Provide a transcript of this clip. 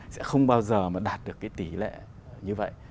sẽ không bao giờ mà đạt được cái tỷ lệ như vậy